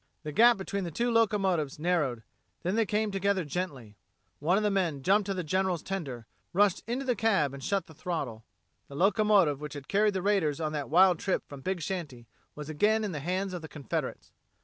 The gap between the two locomotives narrowed; then they came together gently. One of the men jumped to the General's tender, rushed into the cab and shut the throttle. The locomotive which had carried the raiders on that wild trip from Big Shanty was again in the hands of the Confederates.